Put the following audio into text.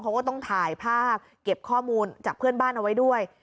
เขาก็ต้องถ่ายภาพเก็บข้อมูลจากเพื่อนบ้านเอาไว้ด้วย